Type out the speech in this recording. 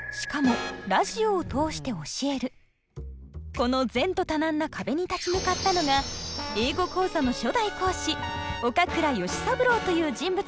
この前途多難な壁に立ち向かったのが英語講座の初代講師岡倉由三郎という人物でした。